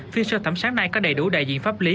phiên sơ thẩm sáng nay có đầy đủ đại diện pháp lý